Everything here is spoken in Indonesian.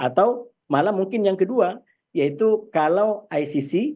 atau malah mungkin yang kedua yaitu kalau icc